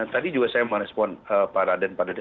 tadi juga saya merespon pak raden pardede